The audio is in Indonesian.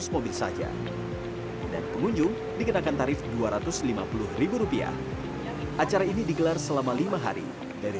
mobil saja dan pengunjung dikenakan tarif dua ratus lima puluh rupiah acara ini digelar selama lima hari dari